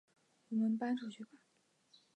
我们搬出去吧